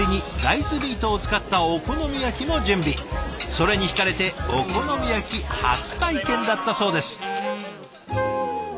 それにひかれてお好み焼き初体験だったそうです。